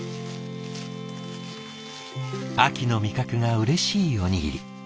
秋の味覚がうれしいおにぎり。